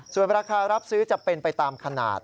ส่วนราคารับซื้อจะเป็นไปตามขนาด